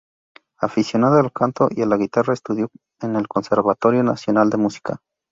Aficionada al canto y la guitarra, estudió en el Conservatorio Nacional de Música.